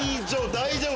大丈夫。